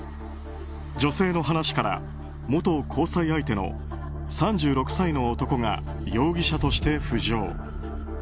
女性の話から元交際相手の３６歳の男が容疑者として浮上。